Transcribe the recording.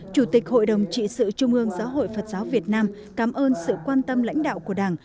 chủ tịch hội đồng trị sự trung ương giáo hội phật giáo việt nam cảm ơn sự quan tâm lãnh đạo của đảng